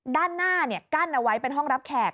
ด้านหน้ากั้นเอาไว้เป็นห้องรับแขก